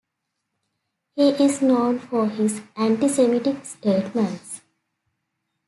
He is known for his anti-semitic statements.